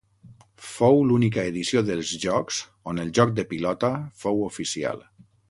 Fou l'única edició dels Jocs on el joc de pilota fou oficial.